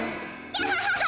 キャハハハ！